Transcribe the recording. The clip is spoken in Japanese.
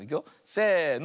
せの。